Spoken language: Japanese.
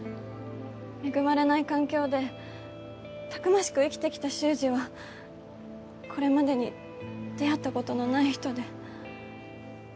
恵まれない環境でたくましく生きてきた衆二はこれまでに出会った事のない人で。